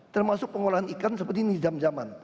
termasuk pengolahan ikan seperti ini jam jaman